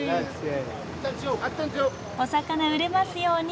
お魚売れますように。